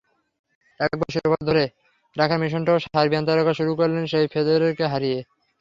এবার শিরোপা ধরে রাখার মিশনটাও সার্বিয়ান তারকা শুরু করলেন সেই ফেদেরারকে হারিয়ে।